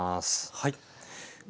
はい。